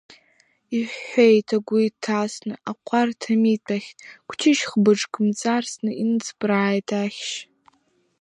Иҳәҳәеит агәы иҭасны, Аҟәарҭ амитә ахьт, Кәҷышь хбыџк мҵарсны, Иныҵԥрааит ахьшь.